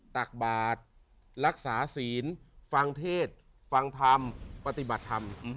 ตักบาทรักษาศีลฟังเทศฟังธรรมปฏิบัติธรรม